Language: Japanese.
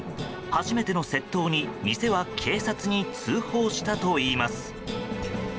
初めての窃盗に店は警察に通報したといいます。